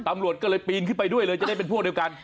ตำรวจก็เลยปีนขึ้นไปด้วยเลยจะได้เป็นพวกเดียวกัน